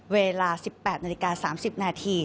เวลา๑๘นาฬิกา๓๐นาที